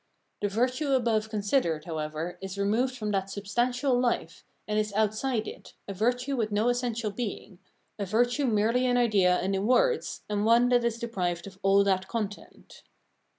The virtue above considered, however, is removed from that substantial life, and is outside it, a virtue with no essential being, a virtue merely in idea and in words, and one that is deprived of all that content.